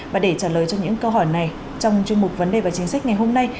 và để trả lời cho những câu hỏi này trong chuyên mục vấn đề và chính sách ngày hôm nay